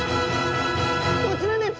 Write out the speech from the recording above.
こちらです。